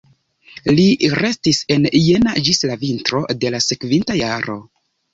Li restis en Jena ĝis la vintro de la sekvinta jaro.